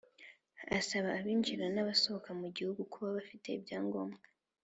Asaba abinjira n’abasohoka mu gihugu kuba bafite ibyangombwa